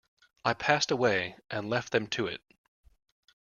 I passed away and left them to it.